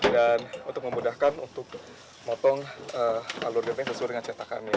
dan untuk memudahkan untuk motong alur genteng sesuai dengan cetakannya